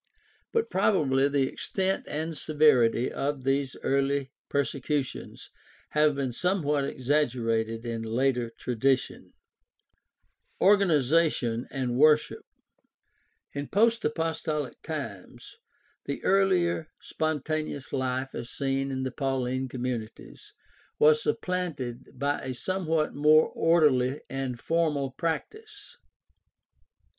But probably the extent and severity of these early persecutions have been somewhat exaggerated in later tradition. 294 GUIDE TO STUDY OF CHRISTIAN RELIGION Organization and worship. — In post apostolic times the earlier spontaneous life as seen in the Pauline communities was supplanted by a somewhat more orderly and formal practice.